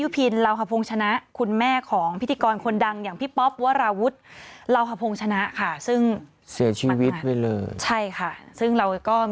พี่ป๊อบด้วยนะคะเชิญค่ะ